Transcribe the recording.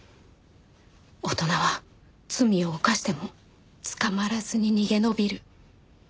大人は罪を犯しても捕まらずに逃げ延びる。